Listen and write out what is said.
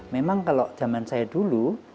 memang kalau zaman saya dulu